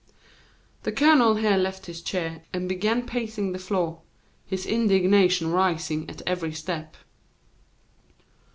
The colonel here left his chair and began pacing the floor, his indignation rising at every step.